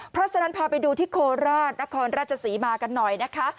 เพราะฉะนั้นพาไปดูที่โคราชนครราชศรีมากันหน่อยนะคะ